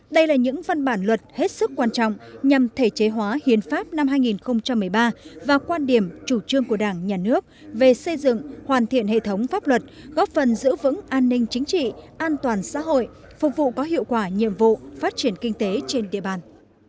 đây là những văn bản luật hết sức quan trọng nhằm thể chế hóa hiến pháp năm hai nghìn một mươi ba và quan điểm chủ trương của đảng nhà nước về xây dựng hoàn thiện hệ thống pháp luật góp phần giữ vững an ninh chính trị an toàn xã hội phục vụ có hiệu quả nhiệm vụ phát triển kinh tế trên địa bàn